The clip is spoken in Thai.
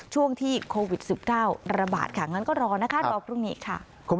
ช่วงที่โควิด๑๙ระบาดค่ะงั้นก็รอนะคะรอพรุ่งนี้ค่ะ